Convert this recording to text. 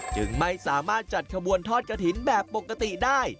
จึงไม่สามารถจัดขบวนทอดกระถิ่นแบบปกติได้